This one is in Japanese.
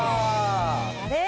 あれ？